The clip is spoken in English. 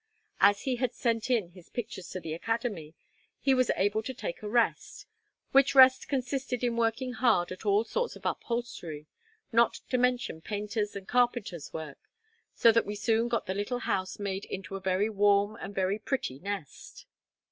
And as he had sent in his pictures to the Academy, he was able to take a rest, which rest consisted in working hard at all sorts of upholstery, not to mention painters' and carpenters' work; so that we soon got the little house made into a very warm and very pretty nest.